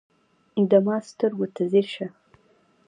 د ما سترګو ته ځیر شه